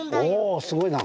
おすごいな。